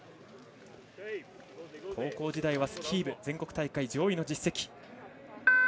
高校時代はスキー部全国大会上位の実績。